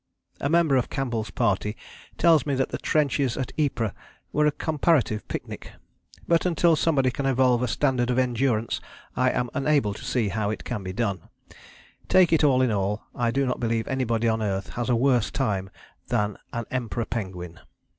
A member of Campbell's party tells me that the trenches at Ypres were a comparative picnic. But until somebody can evolve a standard of endurance I am unable to see how it can be done. Take it all in all, I do not believe anybody on earth has a worse time than an Emperor penguin.